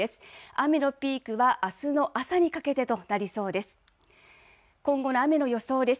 雨のピークはあすの朝にかけてとなりそうです。